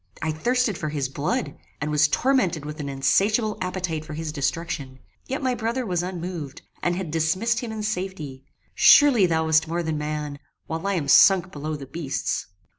I thirsted for his blood, and was tormented with an insatiable appetite for his destruction; yet my brother was unmoved, and had dismissed him in safety. Surely thou wast more than man, while I am sunk below the beasts.